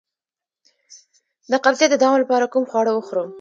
د قبضیت د دوام لپاره کوم خواړه وخورم؟